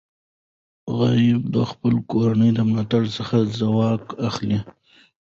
غابي د خپل کورنۍ د ملاتړ څخه ځواک اخلي.